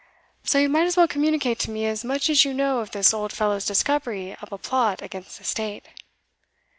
So you might as well communicate to me as much as you know of this old fellow's discovery of a plot against the state."